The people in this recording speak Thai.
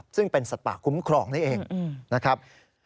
ซึ่งเป็นสัตว์ป่าคุ้มครองนี่เองนะครับ